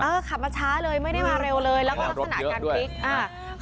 ขับมาช้าเลยไม่ได้มาเร็วเลยแล้วก็ลักษณะการพลิกอ่า